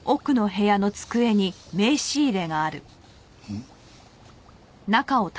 ん？